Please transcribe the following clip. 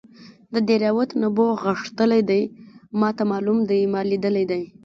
د دیراوت نبو غښتلی دی ماته معلوم دی ما لیدلی دی.